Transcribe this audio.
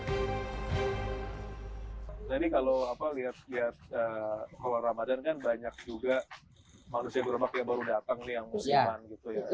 jadi kalau lihat lihat awal ramadhan kan banyak juga manusia gerobak yang baru datang yang musiman gitu ya